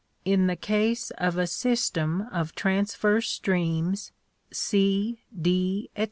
In the case of a system of transverse streams, C, D, etc.